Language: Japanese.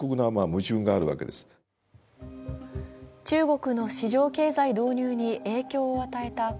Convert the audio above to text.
中国の市場経済導入に影響を与えた